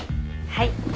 はい。